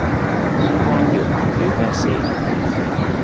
關越南語咩事